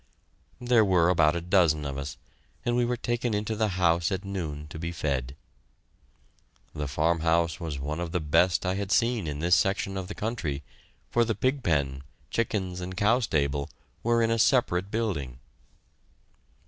There were about a dozen of us, and we were taken into the house at noon to be fed. The farmhouse was one of the best I had seen in this section of the country, for the pig pen, chickens, and cow stable were in a separate building.